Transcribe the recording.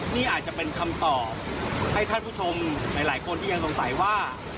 นี่อาจจะเป็นคำตอบให้ท่านผู้ชมหลายคนที่ยังสงสัยว่า